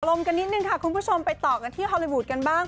ลมกันนิดนึงค่ะคุณผู้ชมไปต่อกันที่ฮอลลี่วูดกันบ้าง